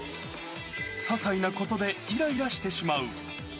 ささいなことでいらいらしてしまう。